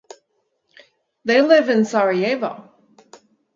They live in Sarajevo.